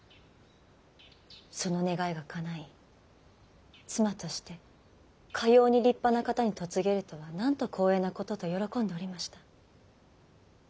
その願いがかない妻としてかように立派な方に嫁げるとはなんと光栄なことと喜んでおりました。